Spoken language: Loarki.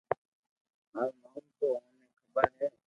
مارو نوم تو اوني خبر ھي